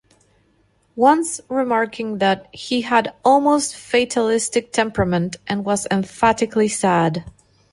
Once remarking that, "He had almost fatalistic temperament and was emphatically sad".